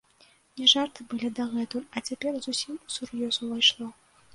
Не жарты былі дагэтуль, а цяпер зусім усур'ёз увайшло.